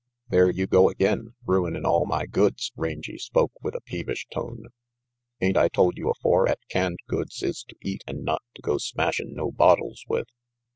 "There you go again, ruinin' all my goods." Rangy spoke with a peevish tone. "Ain't I told you afore 'at canned goods is to eat and not to go smashin' no bottles with?"